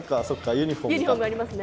ユニフォームありますね。